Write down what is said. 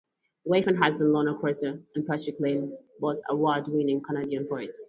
Wife and husband Lorna Crozier and Patrick Lane, both award-winning Canadian poets.